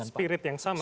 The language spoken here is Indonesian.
spirit yang sama